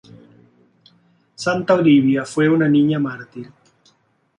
Santa Olivia, fue una niña mártir.